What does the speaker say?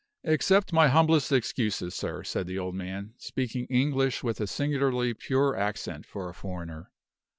"Accept my humblest excuses, sir," said the old man, speaking English with a singularly pure accent for a foreigner.